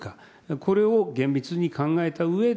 これを厳密に考えたうえで、